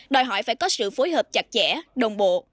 đòi hỏi phải có sự phối hợp chặt chẽ đồng bộ